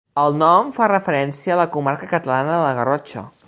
El nom fa referència a la comarca catalana de la Garrotxa.